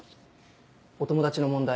お友達の問題